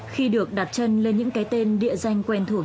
khi được đặt chân lên những cái tên địa danh quen thuộc